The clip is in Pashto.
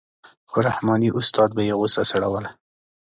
خو رحماني استاد به یې غوسه سړوله.